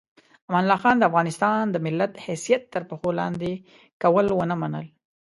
امان الله خان د افغانستان د ملت حیثیت تر پښو لاندې کول ونه منل.